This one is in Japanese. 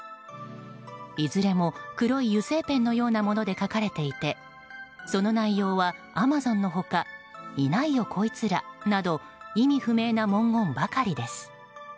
いずれも黒い油性ペンのようなもので書かれていてその内容は「Ａｍａｚｏｎ」の他「いないよこいつら」など意味不明な文言ばかりです。